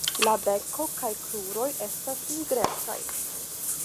La beko kaj kruroj estas nigrecaj.